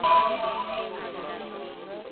ښوونکی زدهکوونکي د خپل مسلک لپاره چمتو کوي.